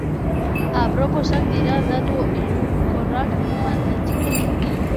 Aproposak dira datu iraunkorrak mantentzeko.